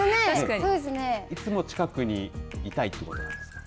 いつも近くにいたいということですか。